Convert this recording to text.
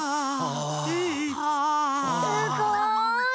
すごい！